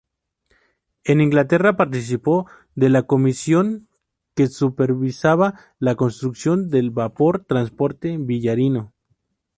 En Inglaterra participó de la comisión que supervisaba la construcción del vapor transporte "Villarino".